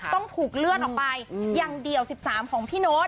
ต้องถูกเลื่อนออกไปอย่างเดี่ยว๑๓ของพี่โน๊ต